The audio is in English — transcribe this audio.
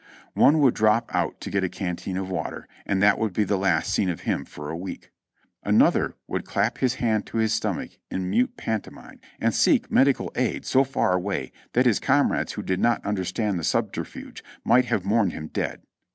One would drop out to get a canteen of water, and that would be the last seen of him for a week. Another would clap his hand to his stomach in mute pantomime, and seek medi cal aid so far away that his comrades who did not understand the subterfuge might have mourned him dead.